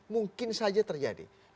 mungkin saja terjadi